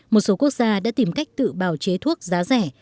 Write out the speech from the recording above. một số quốc gia đã tìm cách tự bào chế thuốc giá rẻ